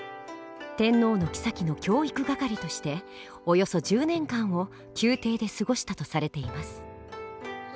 天皇の后の教育係としておよそ１０年間を宮廷で過ごしたとされています。